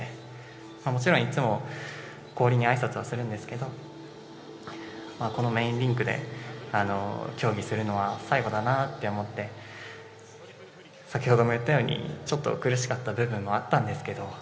もちろんいつも氷に挨拶はするんですけど、このメインリンクで競技するのは最後だなと思って、先ほども言ったようにちょっと苦しかった部分もあったんですけど